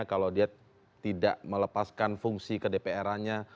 kalau dia tidak melepaskan fungsi ke dpranya